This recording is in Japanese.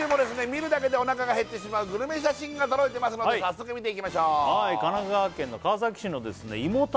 見るだけでお腹が減ってしまうグルメ写真が届いてますので早速見ていきましょうのですね